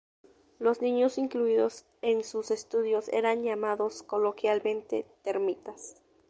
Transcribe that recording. Los niños incluidos en sus estudios eran llamados coloquialmente "termitas".